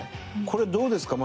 これどうですか？